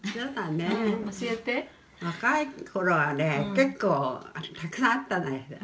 若い頃はね結構たくさんあったんです。